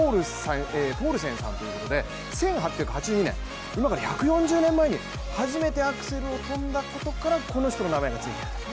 １８８２年、今から１４０年前に初めてアクセルを跳んだことからこの人の名前がついている。